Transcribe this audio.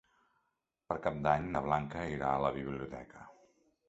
Per Cap d'Any na Blanca irà a la biblioteca.